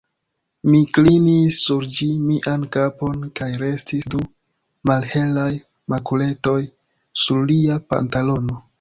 Mi klinis sur ĝi mian kapon kaj restis du malhelaj makuletoj sur lia pantalono.